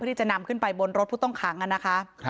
ที่จะนำขึ้นไปบนรถผู้ต้องขังนะคะ